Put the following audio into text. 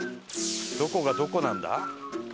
どこがどこなんだ？